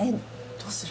どうする？